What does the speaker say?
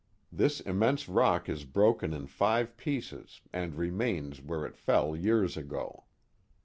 This Immense rock is broken in five pieces and remains where it fell years ago.